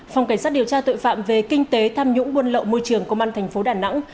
phòng cảnh sát điều tra tội phạm về kinh tế tham nhũng buôn lậu môi trường công an thành phố đà nẵng